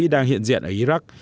đang hiện diện ở iraq